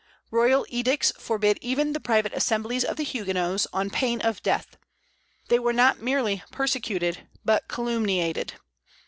Royal edicts forbid even the private assemblies of the Huguenots, on pain of death. They were not merely persecuted but calumniated.